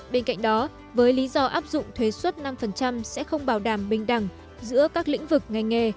bên cạnh đó với lý do áp dụng thuế xuất năm sẽ không bảo đảm bình đẳng giữa các lĩnh vực ngành nghề